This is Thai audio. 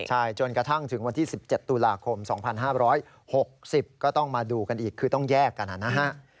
ใช่จนกระทั่งถึงวันที่๑๗ตุลาคม๒๕๖๐ก็ต้องมาดูกันอีกคือต้องแยกกันนะฮะ